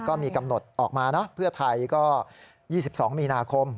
ก็มีกำหนดออกมานะเพื่อไทยก็๒๒มีนาคม